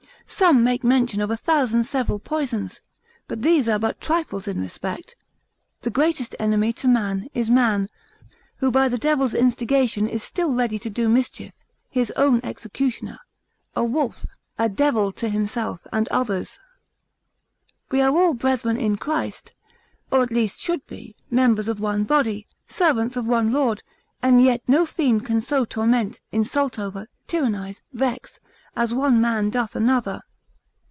Some make mention of a thousand several poisons: but these are but trifles in respect. The greatest enemy to man, is man, who by the devil's instigation is still ready to do mischief, his own executioner, a wolf, a devil to himself, and others. We are all brethren in Christ, or at least should be, members of one body, servants of one lord, and yet no fiend can so torment, insult over, tyrannise, vex, as one man doth another.